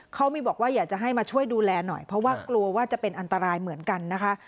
เขามีบอกว่าอยากจะให้มาช่วยดูแลหน่อยเพราะว่ากลัวว่าจะเป็นอันตรายเหมือนกันนะคะ